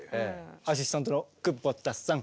アシスタントの久保田さん。